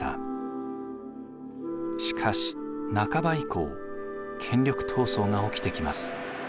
しかし半ば以降権力闘争が起きてきます。